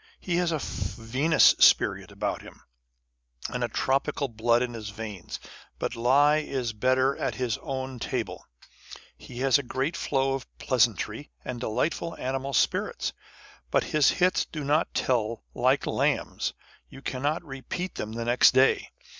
He has a fine vinous spirit about him, and tropical blood ' On the Conversation of Authors. 49 in his veins : but he is better at his own table. He has a great flow of pleasantry and delightful animal spirits : but his hits do not tell like Lamb's ; you cannot repeat them the next day.